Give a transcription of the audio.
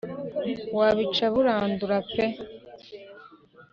wabica burandura pe